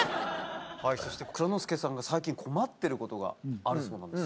はいそして蔵之介さんが最近困ってることがあるそうなんです。